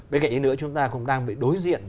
bên cạnh ý nữa chúng ta cũng đang bị đối diện